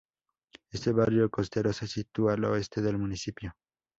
Este barrio costero se sitúa al oeste del municipio.